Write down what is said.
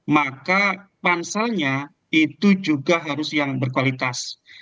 maka panselnya itu juga harus yang berkualitas